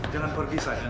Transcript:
jangan pergi sayang